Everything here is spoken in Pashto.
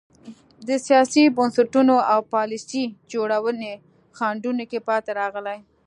د سیاسي بنسټونو او پالیسۍ جوړونې خنډونو کې پاتې راغلي.